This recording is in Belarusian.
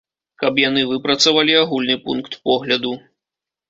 Каб яны выпрацавалі агульны пункт погляду.